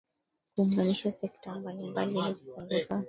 kuunganisha sekta mbali mbali ili kupunguza